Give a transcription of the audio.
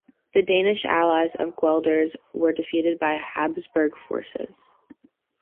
The Danish allies of Guelders were defeated by Habsburg forces.